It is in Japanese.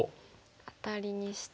アタリにして。